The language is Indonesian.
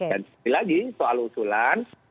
dan setiap lagi soal usulan